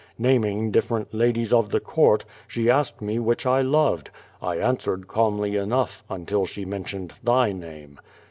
Naming different ladies of the court, slie asked me which I loved. 1 answered calmly enough, until she mentioned thy name.